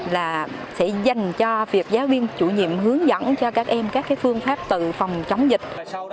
là sẽ dành cho việc giáo viên chủ nhiệm hướng dẫn cho các em các phương pháp tự phòng chống dịch